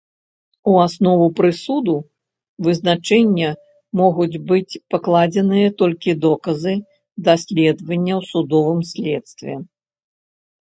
У аснову прысуду, вызначэння могуць быць пакладзеныя толькі доказы даследаваныя ў судовым следстве.